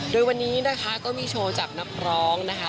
โดยวันนี้นะคะก็มีโชว์จากนักร้องนะคะ